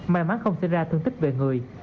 may mắn không sẽ ra thương tích về người